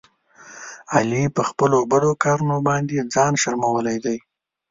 علي په خپلو بدو کارونو باندې ځان شرمولی دی.